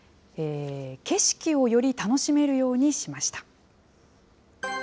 景色をより楽しめるようにしました。